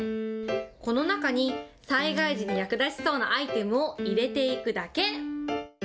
この中に、災害時に役立ちそうなアイテムを入れていくだけ。